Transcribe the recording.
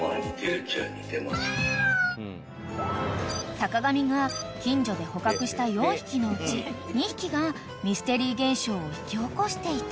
［坂上が近所で捕獲した４匹のうち２匹がミステリー現象を引き起こしていた］